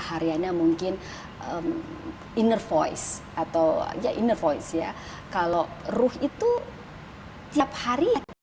hariannya mungkin inner voice atau ya inner voice ya kalau ruh itu tiap hari